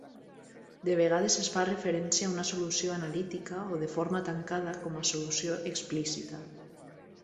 De vegades es fa referència a una solució analítica o de forma tancada com a solució explícita.